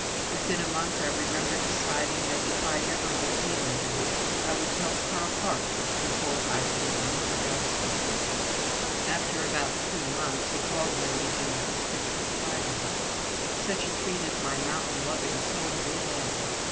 Within a month I remember deciding that, if ever I became engaged, I would tell Carl Parker before I told any one else on earth! After about two months, he called one evening with his pictures of Idaho. Such a treat as my mountain loving soul did have!